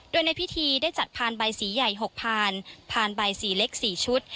โดยในพิธีได้จัดพานใบสีใหญ่๖พานผ่านใบสีเล็ก๔ชุด